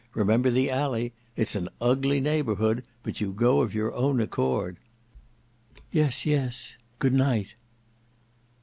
Remember the alley. It's an ugly neighbourhood; but you go of your own accord." "Yes, yes. Good night."